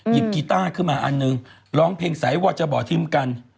หยิบกีตาร์ขึ้นมาอันหนึ่งร้องเพลงสายวัดจะบ่อทิมกัน